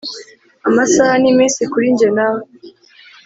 amasaha n'iminsi kuri njye nawe.